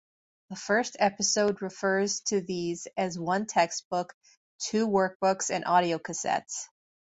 The first episode refers to these as one textbook, two workbooks and audiocassettes.